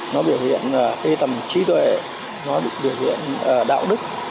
nó biểu hiện tầm trí tuệ nó biểu hiện đạo đức